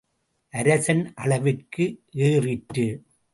அரசன் அளவிற்கு ஏறிற்று.